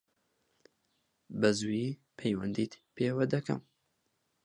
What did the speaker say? بەزوویی پەیوەندیت پێوە دەکەم.